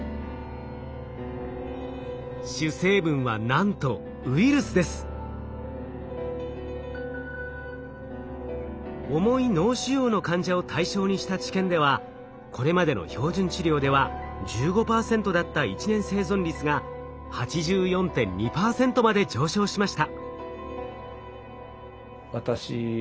主成分はなんと重い脳腫瘍の患者を対象にした治験ではこれまでの標準治療では１５％だった１年生存率が８４．２％まで上昇しました。